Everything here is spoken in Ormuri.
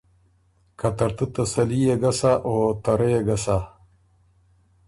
که ترتُو تسلي يې ګۀ سَۀ او ته ره يې ګۀ سَۀ۔